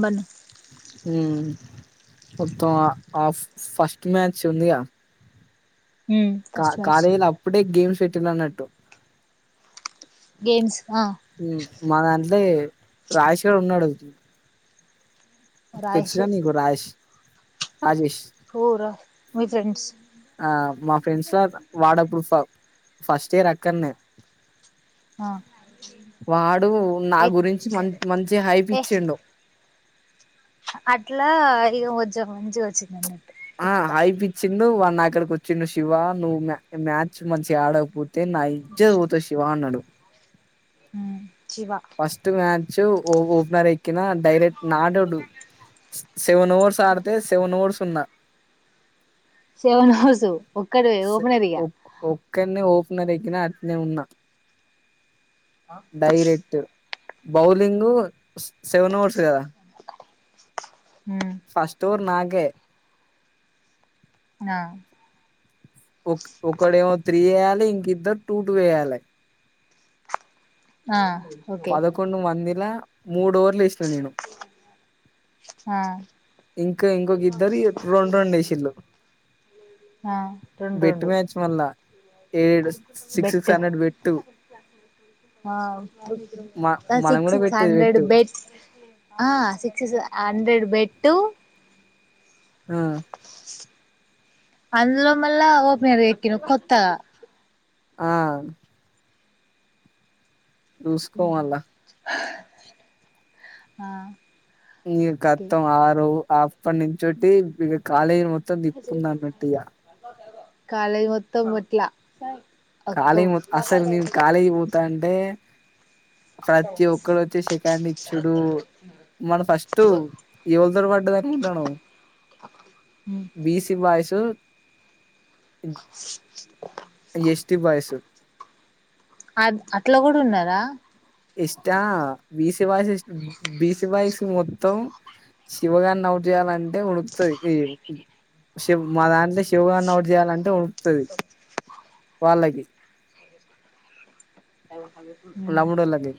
బన్న మొత్తం ఆ first match ఉందియా కా ఫస్ట్ మ్యాచ్ కాలేజలో అప్పుడే గేమ్స్ పెట్ ట్టటు గేమ్స్ ఆ మా దంటే రాజశ ఉన్నాడుతు రాష్ తెలుసుగా నీకు రాష్ రాజేష్ పూర్ మీ ఫ్రెండ్స్ మా ఫ్రెండ్స్ లో వాటర్ ప్రూఫ ఫస్ట్ ఇయర్ అక్కడనే ఆ వాడు నా ఎ గురించి మ మంచి హైప్ ఏ ఇచ్చిడు అట్లా ఇది వంచం చ వచ్చిడి ఆ హై పిచ్ వచ్చిండు వా నా అక్కడికి వచ్చిండు శివ నువ్వు మ్యాచ్ మంచి ఆడకపోతే నా ఇజ్జ చవుత శివ అన్నాడు శివ ఫస్ట్ మ్యాచ్ ఓపెనర్ ఎక్కిన డైరెక్ట్ నాడాడు సెవెన్ ఓవర్స్ ఆడితే సెవెన్ ఓవర్స్ ఉన్నా క్కడవ ఓప నరియా క్క ఓపనర్కిన అట్నే ఉన్నా డైరెట్ బౌలింగ సెవెన్ ఓవర్స్ కదా ఉమ్ ఫస్ట్ త్తూర్ నాగే ఆ ఒకక్కడేమో త్రీ వేయాలి ఇంకద్దరు టూ టటు వేయాలి ఆ ఓకే పదకొన్న మందిలా మూడు ఓవర్లుస్న నేను ఆ ఇంకా ఇంకొక ఇద్దరి రెండు రెండు వేసిలు ఆ రెండు బెట్ రెండు మ్యాచ్ మళ్ళా ఏడ్ బెట్ మ సి మనం కూడా సి పెట్టేది హ్రడ్ బెట్టు బెట్ ఆ సిక్స హండ్రెడ్ బెట్టు ఆ అందులో మల్ళ ఓపినర్ వకిిన కొత్తగా ఆ చూసుకోవాలా ఆ ఇక ఓకే కొత్తం ఆరు అప్పటి నుంచోటి ఇక కాలేజీ మొత్తం తిప్పుకుంద అన్నట్టు ఇక కాళజ మొత్తం అట్లా ఒక్క కాల మత అసలు నన్ కాాలిగి పోఊతా అంటే ప్రతి ఒక్కరు వచ్చి సెకండ్ ఇచ్చడు మన ఫస్ట్ ఎవలుదర పడ్డది అనుకుంటాను బీసీ బాయ్స్ ఇ ఎష్టి బయసు అ అట్లా కూడా ఉన్నారా ఇష్ట బీస బా బీస బాస్ మొత్తం శివగారిని అవుట్ చేయాలంటే ఉణకుతుది మా దాంట్లో శివగారిని అవుట్ చేయాలంటే ఉణకుతుది వాళ్ళకి ఉమ్ ముడలాగే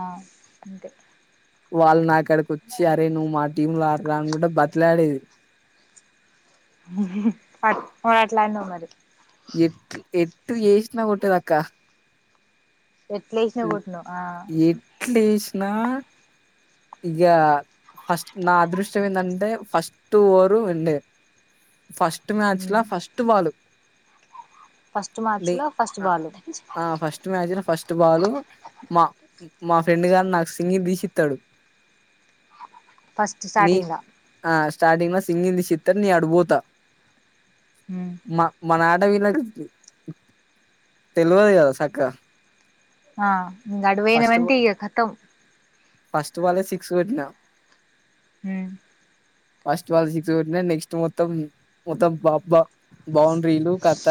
ఆ అంతే వాళ్ళు నాక్కడికి వచ్చి అరే నువ్వు మా టీమ్ లో ఆ రానుకుంట బతిలాడేది మట్లాండ మరి ఎట్ ఎట్ ఏష్ నా కొట్టేది అక్క ఎట్లేసిన కూట్ను ఆ నా ఇక ఫస్ట్ నా అదృష్టం ఏంటంటే ఫస్ట్ ఓరు ఉండే ఫర్స్ట్ మచ్లా ఉమ్ ఫర్స్ట్ బాల ఫస్ట్ మార్చ్ లో first ball first match first ball మా మా ఫ్రెండ్ గారు నాకు సింగి తీసి ఇత్తాడు ఫస్ట్ నీ స్టార్టింగ్ దా ఆ స్టార్టింగ్ మా సింగింది చిత నీ అడుభోతా ఉమ్ మా మన లా తెలువది అదా సక్క ఆ ఇ గడువైన అంటే ఇక కతం ఫస్ట్ వాళ్ళ సిక్స్ పెట్నా హుమ్ ఫస్ట్ వాళ్ళు సిక్స్ కొట్టిన నెక్స్ట్ మొత్తం మొత్తం పా బా బౌండ్రీలు కథ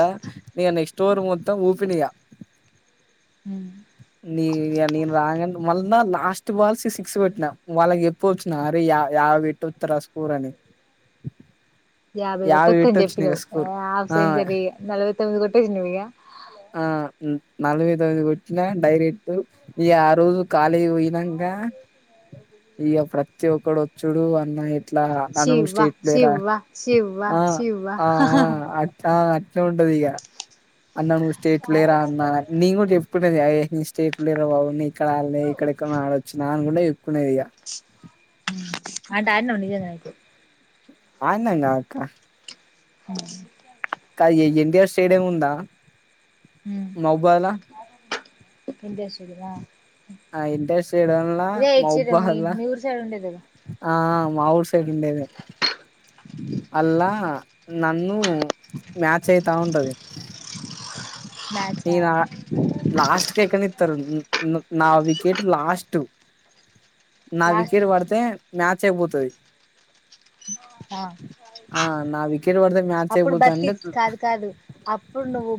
ఇగ నెక్స్ట్ ఓవర్ మొత్తం ఊపిండు ఇగ ఉ న నేను రాంగానే మళ్ళ లాస్ట్ బాల్స్కి సిక్స్ కొట్టినా. వాళ్ళకి చెప్పు వచ్చిన అరే యాబై పెట్ వస్తారా స్కోర్ అని యాభై కొట్టత్తానని పెట్టొచ్చిన ఇక చెప్పినవ్ స్కోర్ హాఫ్ ఆ సెంచరీ నలభై తొమ్మిది కొట్ ఇరువయా ఆ నలభై తొమ్మిది కొట్టిన డైరెక్ట్ ఇగ ఆ రోజు కాలేజీకి పోయినంక ఇక ప్రతి ఒక్కడు వచ్చుడు అన్న అట్లా అన్న నువ్వు శివ స్టేట్ ప్లేయర్ శివ శివ ఆ ఆ శివ ఆ ఆ అట్లా అట్లే ఉంటది ఇగ అన్ స్టేట్ ప్లేయర్ అన్న నేను చెప్పుడు ఏ స్టేట్ ప్లేయర్ రా బాబు ఇక్కడ ఆడే ఎక్కడెక్కడినో ఆడి వచ్చినా అనుకుంటూ కునే ఇగ ఆడి ఆడినవు నిజంగానే ఆడినాంగా అక్క అ అక్క ఎ ఎ ఎన్టిఆర్ స్టేడియం ఉందా ఊ మహబాద్ల ఎన్టీఆర్ స్టేడియం ఆ ఆ ఎన్టీఆర్ స్టేడియంలా అదే చిన్నది మహబాద్ల మీ ఊరు సైడు ఉండేదేగా ఆ మా ఊరు స్ ఉండేదే అల్లా నన్ను మ్యాచ్ అయి తా ఉంటది. నేను ఆ లాస్ట్ కి ఎక్కని ఇత్ నా వికెట్ లాస్ట్ నా వికెట్ పడితే మ్యాచ్ ఐపోతది ఆ వికెట్ పడితే మ్యాచ్ అప్పుడు అయిపోతది బతికి అంటే కాదు కాదు అప్పుడు నువ్వు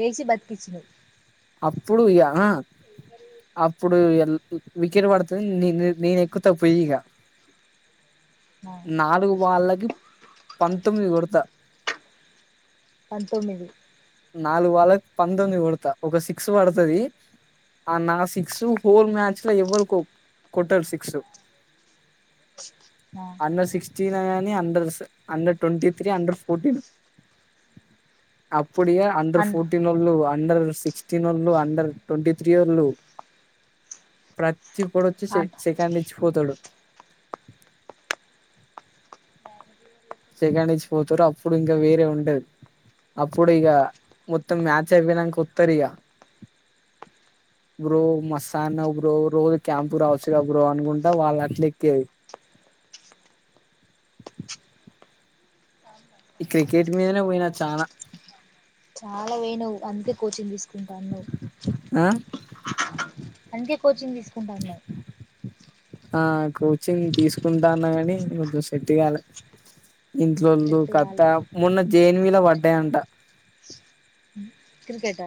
యేసి బతికిచ్చినవ్ అప్పుడు ఇక హ అప్పుడు వికెట్ పడతది నే నేను ఎక్కుత పోయి ఇక ఆ నాలుగు బాల్ల కి పంతొమ్మిది కొడతా పంతొమ్మిది నాలుగు బాళ్ళకి పంతొమ్మిది కొడతా. ఒక సిక్స్ పడతది. ఆ నా సిక్స్ హోల్ మ్యాచ్ లో ఎవ్వరు కొ కొట్టరు. సిక్స్ ఆ అండర్ సిక్స్టీన్ కాని, under under twenty three under fourteen. ప్పుడిగా అండర్ అన్ ఫోర్టీన్ వాళ్ళు అండర్ సిక్స్టీన్ వాళ్ళు అండర్ ట్వంటీ త్రీ వాళ్ళు ప్రతి తి ఒక్కడు వచ్చి అన్ షేక్ హ్యాండ్ ఇచ్చి పోతాడు సెకండ్ ఇచ్చి పోతారు అప్పుడు ఇంకా వేరే ఉండది అప్పుడు ఇక మొత్తం మ్యాచ్ అయిపోయినాక వత్తరు ఇగ బ్రో మస్ట్ ఆడినవ్ బ్రో రోజు క్యాంపు రావచ్చుగా బ్రో అనుకుంట వాళ్ళు అట్ల ఎక్కేది ఈ క్రికెట్ మీదనే పోయినా చానా చాలా పోయినవ్ అందుకే కోచింగ్ తీసుకుంటానవ్ ఆ అంతే కోచింగ్ తీసుకుంటాన్నావ్ ఆ కోచింగ్ తీసుకుంటా ఉన్నా కాని కొంచెం సెట్ కాల ఇంట్లోల్ళలు సెట్ కత్త కాలే మొన్న జేని లా వడ్డే అంట క్రికెట్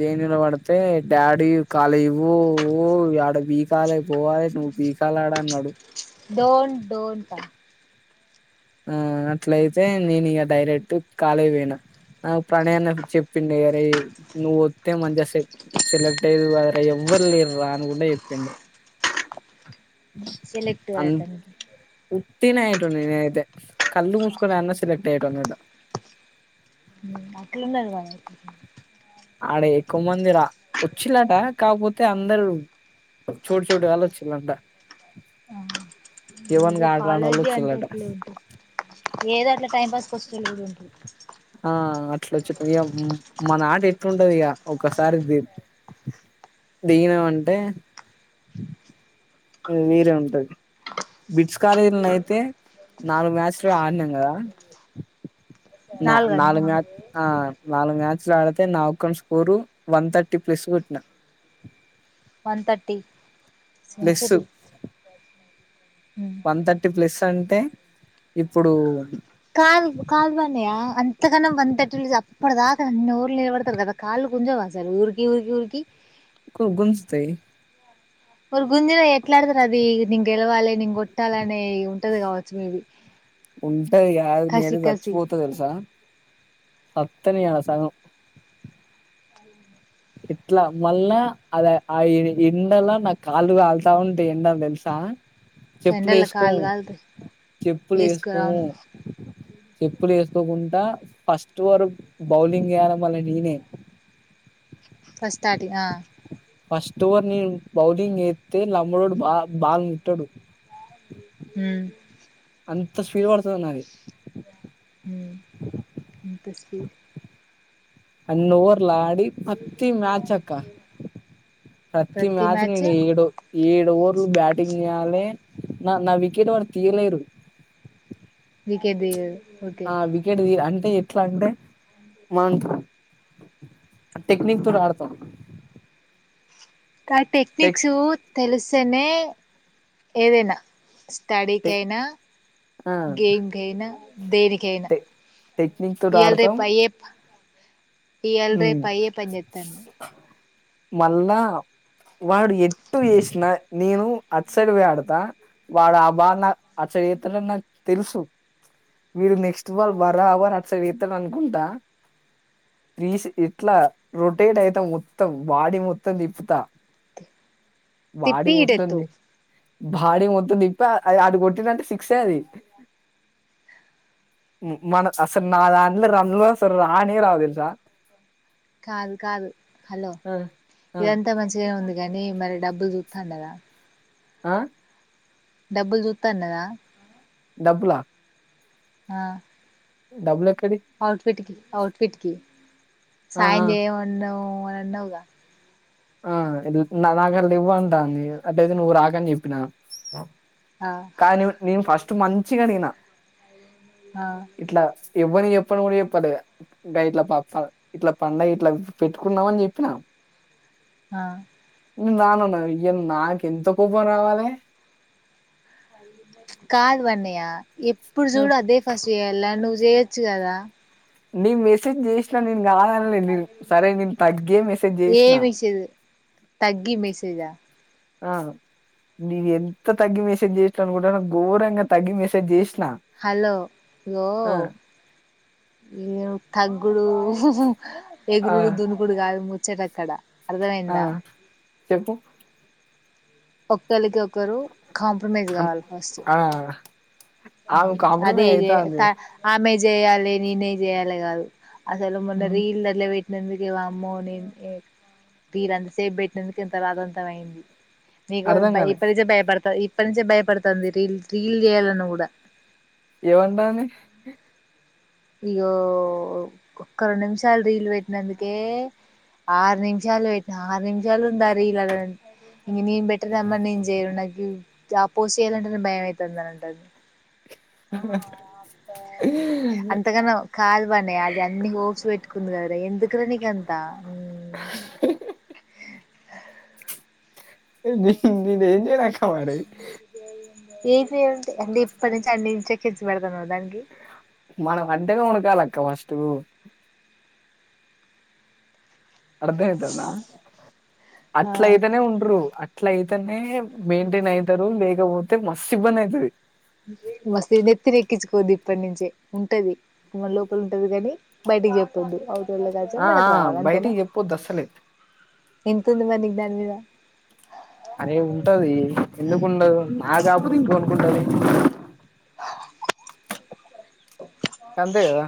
దేనిలో పడితే డాడీ కళ ఇవ్వు ఆడ బీకాలే పోవాలి నువ్వు బీకాల ఆడ అన్నాడు డోం డోం ఆ అట్లయితే నేను ఇక డైరెక్ట్ కాలే పోయినా నా ప్రణయాన్న చెప్పిండు ర నువ్వు వస్తే మంచిగా సె సెలెక్ట్ అయ్యదు ఎవ్వరు లేర రా అని కూడా చెప్పిండు సెలెక్ట్వయతన తటీ ఇయితే కళ్ళు మూసుకుని అన్న సెలెక్ట్ అయినాడు అట్లున్నవా ఆడ ఎక్కువ మంది రా వచ్చిలాట కాకపోతే అందరుూ చోటు చోటుగాల వచ్చిళంట ఇ కాలేజీ అంటే ఎట్లే ఉంటా ఏదో అట్లా టైం పాస్ ఒకస్లుడి ఆ అట్లా వచ్చేట ఇక మన నాట ఎట్లుంటది ఇక ఒసారి దీన అంటే వేరే ఉంటది బిడ్స్ కాలేజీలో అయితే నాలుగు మ్యాచ్లు ఆడినాం కదా న నాలుగన్నా నాలుగు మ ఆ నాలుగు మ్యాచ్లు ఆడితే నా ఒక్క స్కోరు వన్ థర్టీ ప్లస్ పట్టిన one ర్టీ century one thirty plus అంటే ఇప్పుడు కాదు కాలు బంయ అంతకనం వంతట్ అప్పటి దాకా అన్ని ఊర్లు నిలబడతారు కదా కాళ్ళు కొంచెం అసలు ఊరికి ఊరికి ఊరికి గుంస్తాయి ఒక గుంజలో ఎట్లాడతారు అది ని గెలవాలి ని కొట్టాలి అనే ఉంటది కావచ్చు మేబీ ఉన్ అ నీ అద కసి కసి చచ్చిపోతుది తెల్సా అత్తనిసంగం ఎట్లా మళ్ళా అద ఆ ఎండలో నా కాలుగాలుతా ఉంటే ఎండని తెలుసా చెప్పులు ఎండల వేసుకోము కాళ్ళు కాలుతాయి చెప్పులు వేసుకోరు వేసుకోము అవును చెప్పులు వేసుకో అకోకుండా ఫస్ట్ ఓవర్ బౌలింగ్ చేేయాల మల్ల నేనే ఫస్ర్టీ ఆ ఫస్ట్ ఓవర్ ని బౌలింగ్ ఎత్తే లబడోడు బా బాల్ ముట్టడు హ అంత స్పీడ్ పడతది నాది యూ ఏంత స్పీ అన్ని ఓవర్లు లాడి ప్రతి మ్యాచ్ అక్క ప్రతి మ్యాచ్ నేను ఏడు ఏడు ఓవర్లు బ్యాటింగ్ చేయాలి నా నా వికెట్ వారు తీయలేరు వికె తీయదు ఓకే ఆ వికెట్ ది అండ్ ఏ ఎట్లా అంటే మంత్ ఆ టెక్నిక్ తో ఆడుతాం కాదు టెక్నిక్స్ తెలిస్తేనే ఏదైనా తాడికి టె కైనా ఆ గేమ్ కి అయినా దేనికైనా టె టెక్నిక్ తోటి ఈయాల్ ఆడతాం రేప్ అయ్ప్ ఈయాల్ రేప్ అయ్యే పని చెప్తాన్ మల్ల వాడు ఎట్టు వేసిన నేను అటు సైడ్ పోయి ఆడుతా వాడు ఆ బాల్ నా అటు సైడ్ వేస్తాడని నాకు తెలుసు మీరు నెక్స్ట్ ట్వెల్వ్ బారా అవర్ సరే ఇతలు అనుకుంటా రీస్ ఇట్లా రొటేట్ అయితా మొత్తం బాడీ మొత్తం తిప్పుతా బాడి తిప్పి మొత్తం ది ఈడెత్తవు బాడీ మొత్తం తీప్పి అది ఆడ కొట్టిందంటే సిక్స్ ఏ అది మన అసలు నా దాంట్లో రన్లో అసలు రానే రావు తెలుసా కాదు కాదు హలో ఆ ఆ ఇదంతా మంచిగా ఉంది కానీ మరి డబ్బు చూస్తాండడా ఆ డబ్బులు చూతా అన్నదా డబ్బులా ఆ డబుల్ ఎక్ అఔట్ఫిట్ కి అఔట్ఫిట్ కి ఆ సాయం ఆ చేయమన్నావ్ మొన్న అన్నావుగా ఆ నా కాడ లెవ్వు అంటాంది అట్టయితే నువ్వు రాకని చెప్పినా ఆ కానీ నే నేను ఫస్ట్ మంచిగా అడిగిన ఆ ఇట్లా ఇవ్వని చెప్పను గుడా చెప్పలే ఇంకా ఇట్ల పప ఇట్ల పండగ ఇట్ల పెట్టుకున్నామని చెప్పిన ఆ నేన్ రానన్న ఇయ్య నాకెంత కోపం రావాలే కాదు అన్నయ్యా ఎప్పుడు ఆ! చూడు అదే ఫస్ట్ చేయ్యాలా ను చేయొచ్చు కదా నీక్ మెసేజ్ చేస్నా నేన్ రాదనలేదు నేను సరే నేను తగ్గే మెసేజ్ ఏం చేసిన మెసేజ్ తగ్గి మెసేజా ఆ నీవ్ ఎంత తగ్గి మెసేజ్ చేసాను గుడా ఘోరంగా తగ్గి మెసేజ్ చేస్ హలో ఇగో ఏ తగ్గుడు ఆ! ఎగురుడు, దునుగుడు గాదు ము చెరక్కడ ఆ! అర్థమైందా చెప్పు. ఒకల్కి ఒకరు కాంప్రమైజ్ అన్ కావాలె ఫస్ట్ ఆ! ఆమె అదే కాంప్రమైజ్ ఇదే అయితాంది. తా ఆమె చేయాలె నేనే చేయాలే గాదు. అసలు మొన్న హ్మ్. రీల్లల్ల పె నందుకే వామ్మో నేన్ వీరంతసేప్ పెట్టినందుక్ ఇంత రాదంతం అయింది. ఇగో అర్థం గాలే. బయపెడ్తే భయపడతా ఇప్పటి నుంచే భయపడతాంది రీల్స్ రీల్ చెయ్యాలన్న గుడా ఏమంటాంది. ఇగో ఒక్క రొండ్ నిమిషాలు రీల్ పెట్టినందుకే ఆరు నిమిషాలు పెట్టిన ఆరు నిమిషాలు ఉంద ఆ రీల్ అ నేన్ పెట్టలే అమ్మ నేన్ చేయను నాక్ గా పోస్ట్ చేయాలంటేనే భయంమవుతుంది అని అంటది. కాల్ ఇవ్వన్నీ అది అన్ని హోప్స్ పెట్టుకుంది కదరా ఎందుకురా నీకంతా ఏం చేసింది నేనేం చేయలే అక్క మరి ఏసెయి ఉంటే అంటే ఇప్పుడ్ నుంచే అన్ని ఇన్స్టెక్షన్స్ పెడ్ మనం అంటేనే వనకాలక్క ఫస్ట్ టూ అర్థమైతాందా ఆ అట్లయితేనే ఉంటరు.. ట్ల నే మెయింంటైన్ అయితారు లేేకపోతే మతే మస్ ఇబ్బంది అయితుది మస్త నెత్తిని ఎక్కించుకోవద్దు ఇప్పటి నుంచే ఉంటది మ మ లోపల ఉంటది కానీ బయటికి చెప్పొద్దు అ ఆ ఆ బయటికి చెప్పొద్దు అసలేదు ఎంతు ఉంది మరి నీకు దాని మీద అరే ఉంటది ఎందుకుండదు నా కాబతే ఇంక అనుకుంటది అంతే కదా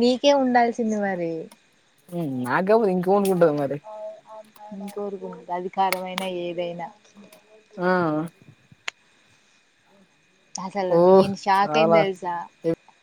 మీకే ఉంది నాకు కాకపోతే ఇంకెవరికి ఉంటాది మరి ఇకురుకు ఉంటది అధికారమైన ఏదైనా ఆ అసలు ఓ నేను షాక్ అయిన చాలా తెలుసా